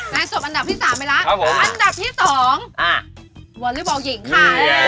จบอันดับที่๓ไปแล้วอันดับที่๒วอเล็กบอลหญิงค่ะ